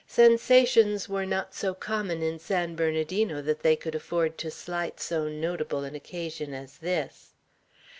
Sensations were not so common in San Bernardino that they could afford to slight so notable an occasion as this.